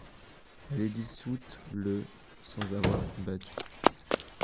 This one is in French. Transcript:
Elle est dissoute le sans avoir combattu.